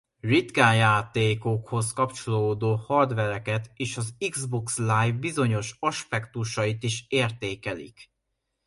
Ritkán játékokhoz kapcsolódó hardvereket és az Xbox Live bizonyos aspektusait is értékelik.